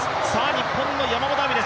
日本の山本亜美。